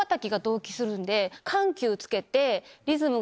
緩急つけて。